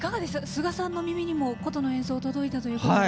スガさんの耳にも琴の演奏が届いたということで。